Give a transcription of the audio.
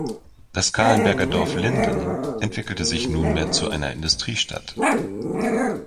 Das Calenberger Dorf Linden entwickelte sich nunmehr zu einer Industriestadt.